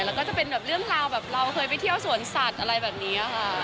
แล้วก็จะเป็นแบบเรื่องราวแบบเราเคยไปเที่ยวสวนสัตว์อะไรแบบนี้ค่ะ